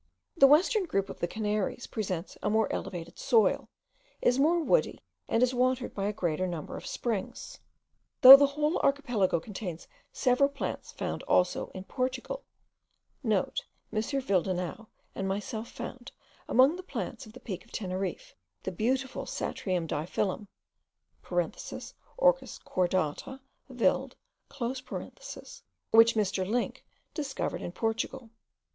The western group of the Canaries presents a more elevated soil, is more woody, and is watered by a greater number of springs. Though the whole archipelago contains several plants found also in Portugal,* (* M. Willdenouw and myself found, among the plants of the peak of Teneriffe, the beautiful Satyrium diphyllum (Orchis cordata, Willd.) which Mr. Link discovered in Portugal.